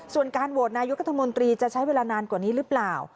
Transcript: ส่วนการโหวตนายุทธมนตรีจะใช้เวลานานกว่านี้หรือเปล่า